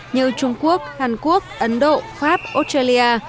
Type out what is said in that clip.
như trung quốc hàn quốc ấn độ pháp australia